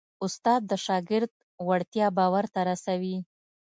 استاد د شاګرد وړتیا باور ته رسوي.